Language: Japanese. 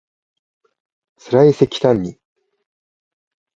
つらいせきたんに